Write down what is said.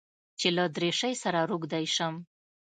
چې له دريشۍ سره روږدى سم.